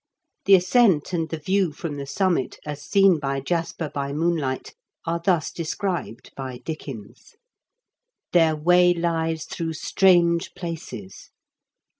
The ascent and the view from the summit, as seen by Jasper by moon light, are thus described by Dickens :" Their way lies through strange places.